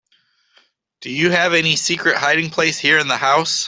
Do you have any secret hiding place here in the house?